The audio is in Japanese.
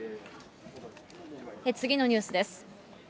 次のニュースです。